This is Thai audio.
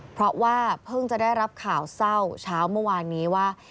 เพราะว่าเพิ่งจะได้รับข่าวเศร้าเช้าเมื่อวานนี้ว่า